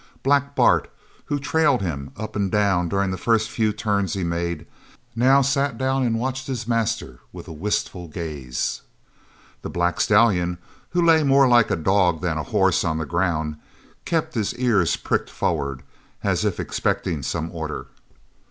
Black Bart, who trailed him up and down during the first few turns he made, now sat down and watched his master with a wistful gaze. The black stallion, who lay more like a dog than a horse on the ground, kept his ears pricked forwards, as if expecting some order.